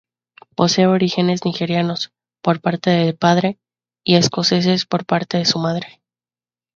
Posee orígenes nigerianos, por parte de padre, y escoceses, por parte de su madre.